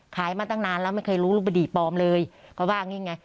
ขายมาตั้งนานแล้วไม่เคยรู้บุหรี่ปลอมเลยก็ว่าอย่างเงี้ยไง